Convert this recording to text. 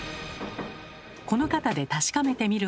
この方で確かめてみることに。